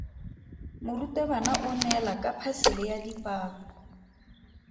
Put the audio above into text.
Morutabana o neela ka phasele ya dipalo.